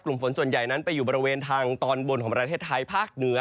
ฝนส่วนใหญ่นั้นไปอยู่บริเวณทางตอนบนของประเทศไทยภาคเหนือ